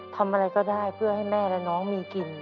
ทำอะไรก็ได้เพื่อให้แม่และน้องมีกิน